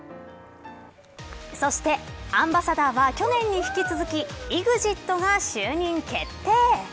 そしてアンバサダーは去年に引き続きＥＸＩＴが就任決定。